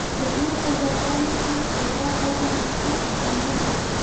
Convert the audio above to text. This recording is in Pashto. په دې سزاګانو کې اعدام او مریتوب شامل وو.